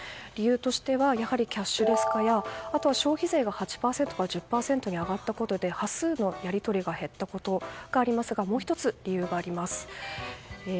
理由としてはやはりキャッシュレス化やあとは消費税が８％から１０％に上がったことで端数のやり取りが減ったことがありますがもう１つ理由があります。